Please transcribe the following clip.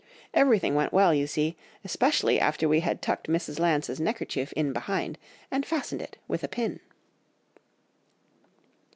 Everything went well, you see, especially after we had tucked Mrs. Lance's neckerchief in behind, and fastened it with a pin."